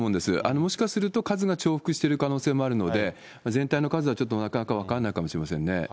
もしかすると数が重複している可能性もあるので、全体の数はちょっとなかなか分からないかもしれませんね。